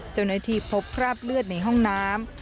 เจ้าหน้าที่พบคราบเลือดในห้องน้ำ